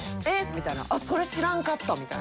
みたいな「それ知らんかった」みたいな。